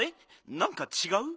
なんかちがう？